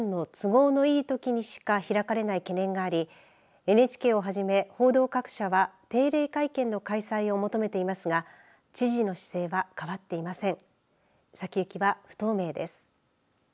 県の都合のいいときにしか開かれない懸念がありＮＨＫをはじめ報道各社は定例会見の開催を求めていますが市の姿勢は変わっていません。